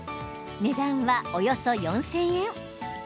値段は、およそ４０００円。